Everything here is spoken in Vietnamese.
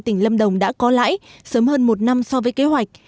tỉnh lâm đồng đã có lãi sớm hơn một năm so với kế hoạch